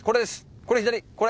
これ左これ。